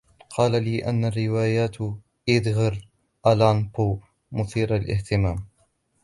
قال لي أن روايات إيدغر آلان بو مثيرة للإهتمام.